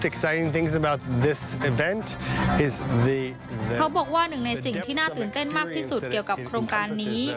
เขาบอกว่าหนึ่งในสิ่งที่น่าตื่นเต้นมากที่สุดเกี่ยวกับโครงการนี้